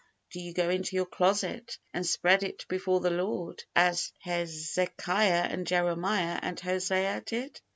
Do you go into your closet, and spread it before the Lord, as Hezekiah and Jeremiah and Hosea did?